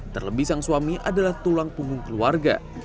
terlebih sang suami adalah tulang punggung keluarga